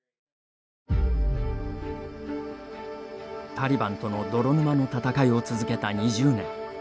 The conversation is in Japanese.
タリバンとの泥沼の戦いを続けた２０年。